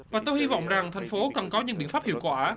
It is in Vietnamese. và tôi hy vọng rằng thành phố cần có những biện pháp hiệu quả